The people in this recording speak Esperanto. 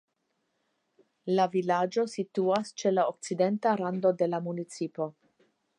La vilaĝo situas ĉe la okcidenta rando de la municipo.